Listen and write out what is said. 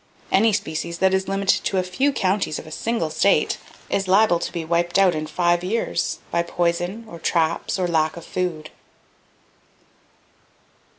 Any species that is limited to a few counties of a single state is liable to be wiped out in five years, by poison, or traps, or lack of food.